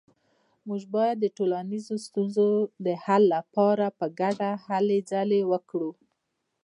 موږ باید د ټولنیزو ستونزو د حل لپاره په ګډه هلې ځلې وکړو